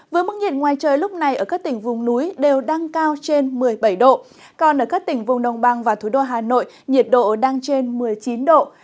với mức nhiệt ngoài trời lúc này ở các tỉnh vùng núi đều đang cao trên một mươi bảy độ còn ở các tỉnh vùng đồng bằng và thủ đô hà nội nhiệt độ đang trên một mươi chín độ